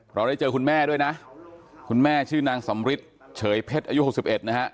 เราได้เจอคุณแม่ด้วยนะคุณแม่ชื่อนางสำริทเฉยเพชรอายุ๖๑นะฮะ